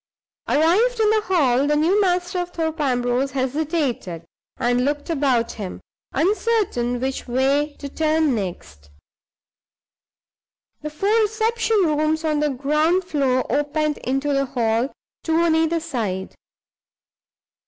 Arrived in the hall, the new master of Thorpe Ambrose hesitated, and looked about him, uncertain which way to turn next. The four reception rooms on the ground floor opened into the hall, two on either side.